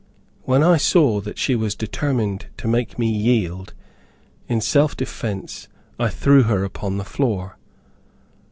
When I saw that she was determined to make me yield, in self defence, I threw her upon the floor.